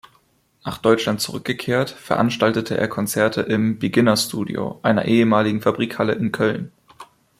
Nach Deutschland zurückgekehrt, veranstaltete er Konzerte im "Beginner Studio", einer ehemaligen Fabrikhalle in Köln.